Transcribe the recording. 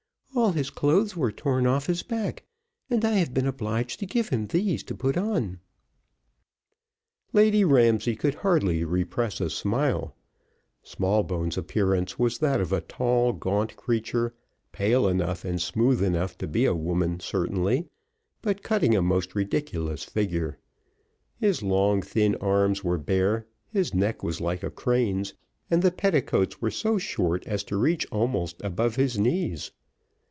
"All his clothes were torn off his back, and I have been obliged to give him these to put on." Lady Barclay could hardly repress a smile. Smallbones' appearance was that of a tall gaunt creature, pale enough, and smooth enough to be a woman certainly, but cutting a most ridiculous figure. His long thin arms were bare, his neck was like a crane's, and the petticoats were so short as to reach almost above his knees.